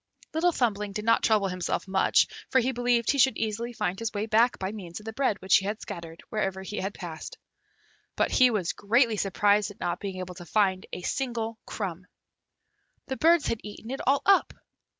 Little Thumbling did not trouble himself much, for he believed he should easily find his way back by means of the bread which he had scattered wherever he had passed; but he was greatly surprised at not being able to find a single crumb. The birds had eaten it all up!